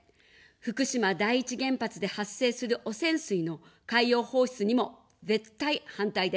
福島第一原発で発生する汚染水の海洋放出にも絶対反対です。